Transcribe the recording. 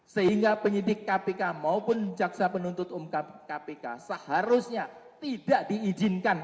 sehingga penyidik kpk maupun jaksa penuntut umum kpk seharusnya tidak diizinkan